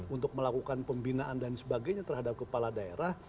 untuk melakukan pembinaan dan sebagainya terhadap kepala daerah